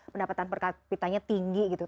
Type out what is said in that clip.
pendapatan per kapitanya tinggi gitu